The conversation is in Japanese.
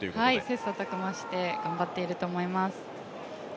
切磋琢磨して頑張っていると思います。